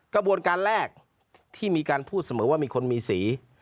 กระบวนการแรกที่มีการพูดเสมอว่ามีคนมีสี